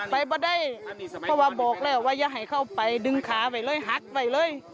ไปบะได้เพราะว่าบอกแล้วว่าอย่าให้เข้าไปดึงขาไปเลยหักไปเลย